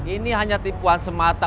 ini hanya tipuan semata